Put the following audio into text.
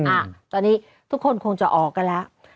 อ่ะตอนนี้ทุกคนคงจะออกกันแล้ว